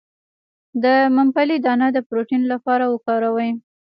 د ممپلی دانه د پروتین لپاره وکاروئ